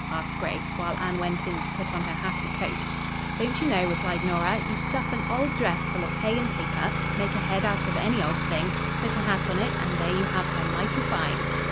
asked Grace, while Anne went in to put on her hat and coat. "Don't you know?" replied Nora. "You stuff an old dress full of hay and paper, make a head out of any old thing, put a hat on it, and there you have her mighty fine."